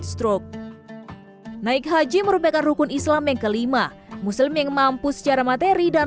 stroke naik haji merupakan rukun islam yang kelima muslim yang mampu secara materi dan